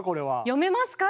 読めますか？